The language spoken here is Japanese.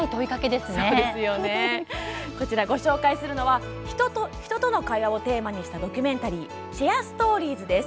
ご紹介するのは人と人との会話をテーマにしたドキュメンタリー「シェア・ストーリーズ」です。